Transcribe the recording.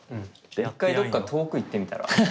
一回どっか遠く行ってみたら？